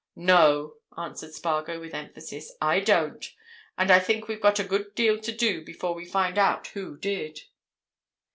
"No!" answered Spargo with emphasis. "I don't! And I think we've got a good deal to do before we find out who did."